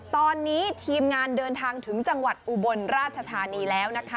ตอนนี้ทีมงานเดินทางถึงจังหวัดอุบลราชธานีแล้วนะคะ